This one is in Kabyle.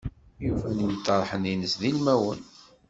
Yufa-n imṭerḥen-ines d ilmawen.